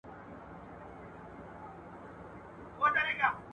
ایا څېړنه علمي او منظمه پلټنه ده؟